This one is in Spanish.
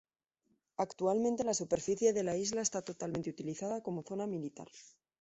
Actualmente la superficie de la isla está totalmente utilizada como zona militar.